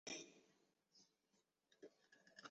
母亲为侧室本庄阿玉之方。